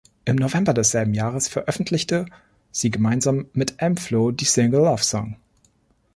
Im November desselben Jahres veröffentlichte sie gemeinsam mit m-flo die Single "Love Song".